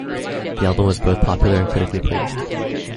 The album was both popular and critically praised.